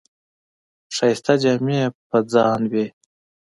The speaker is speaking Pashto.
ښایسته جامې یې په ځان وې.